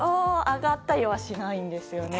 上がったりはしないんですよね。